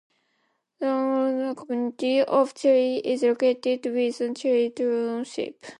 The unincorporated community of Cherry is located within Cherry Township.